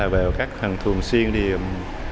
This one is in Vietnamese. về các thường xuyên